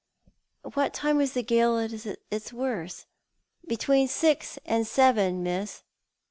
" What time was the gale at its worst ?"" Between six and seven. Miss."